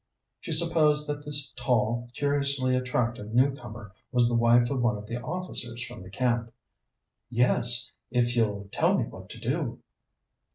She supposed that this tall, curiously attractive new comer was the wife of one of the officers from the camp. "Yes, if you'll tell me what to do."